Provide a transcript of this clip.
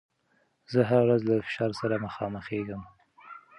زه هره ورځ له فشار سره مخامخېږم.